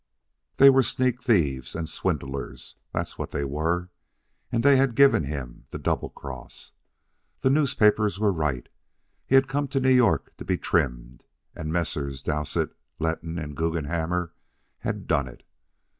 They were sneak thieves and swindlers, that was what they were, and they had given him the double cross. The newspapers were right. He had come to New York to be trimmed, and Messrs. Dowsett, Letton, and Guggenhammer had done it.